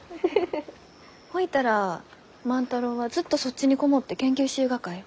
ほいたら万太郎はずっとそっちに籠もって研究しゆうがかえ？